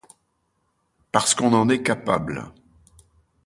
Parce qu’on en est capables.